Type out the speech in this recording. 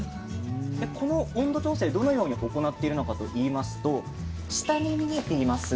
この温度調整どのように行っているのかといいますと下に見えています